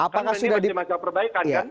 karena ini masih masih perbaikan kan